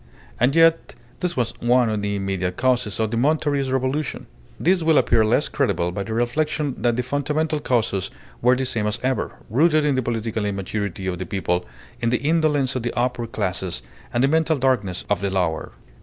And yet this was one of the immediate causes of the Monterist Revolution. This will appear less incredible by the reflection that the fundamental causes were the same as ever, rooted in the political immaturity of the people, in the indolence of the upper classes and the mental darkness of the lower.